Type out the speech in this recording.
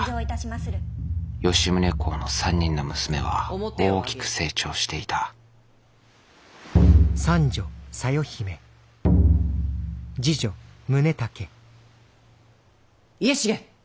吉宗公の３人の娘は大きく成長していた家重！